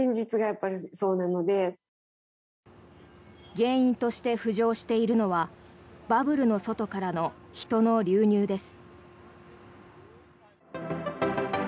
原因として浮上しているのはバブルの外からの人の流入です。